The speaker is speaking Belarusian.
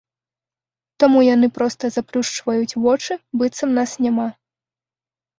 Таму яны проста заплюшчваюць вочы, быццам нас няма.